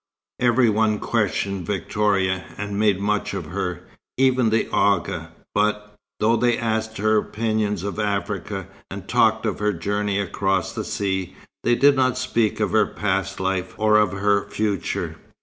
Every one questioned Victoria, and made much of her, even the Agha; but, though they asked her opinions of Africa, and talked of her journey across the sea, they did not speak of her past life or of her future.